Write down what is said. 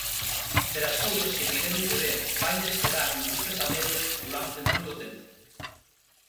Pero as cousas que tiveron que ver vanlles quedar nos pesadelos durante moito tempo.